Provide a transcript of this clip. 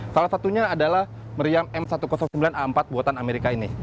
salah satunya adalah meriam m satu ratus sembilan a empat buatan amerika ini